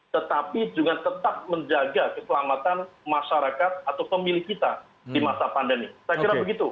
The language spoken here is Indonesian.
tetapi juga tetap menjaga keselamatan masyarakat atau pemilik kita di masa pandemi